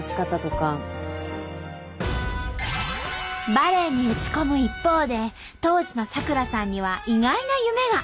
バレーに打ち込む一方で当時の咲楽さんには意外な夢が。